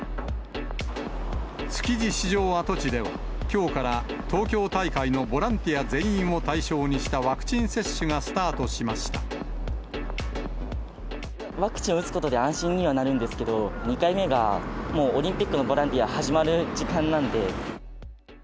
築地市場跡地では、きょうから東京大会のボランティア全員を対象にしたワクチン接種ワクチンを打つことで安心にはなるんですけど、２回目がもうオリンピックのボランティア始まる時間なんで。